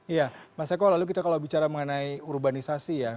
iya mas eko lalu kita kalau bicara mengenai urbanisasi ya